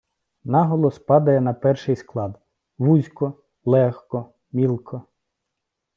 Наголос падає на перший склад: вузько, легко, мілко.